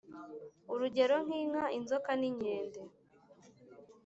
urugero nk’inka, inzoka n’inkende.